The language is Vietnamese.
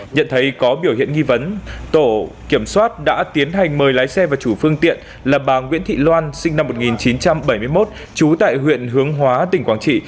nhận thấy có biểu hiện nghi vấn tổ kiểm soát đã tiến hành mời lái xe và chủ phương tiện là bà nguyễn thị loan sinh năm một nghìn chín trăm bảy mươi một trú tại huyện hướng hóa tỉnh quảng trị